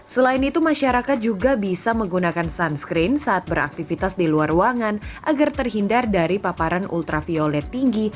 selain itu masyarakat juga bisa menggunakan sunscreen saat beraktivitas di luar ruangan agar terhindar dari paparan ultraviolet tinggi